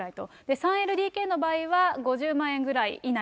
３ＬＤＫの場合は５０万円ぐらい、以内。